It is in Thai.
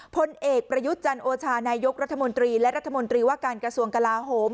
พลเอกประยุทธ์จันโอชานายกรัฐมนตรีและรัฐมนตรีว่าการกระทรวงกลาโหม